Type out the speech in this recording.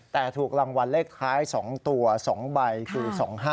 แต่ถูกรางวัลเลขท้าย๒ตัว๒ใบคือ๒๕๖